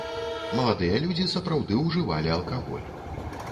Маладыя людзі сапраўды ўжывалі алкаголь.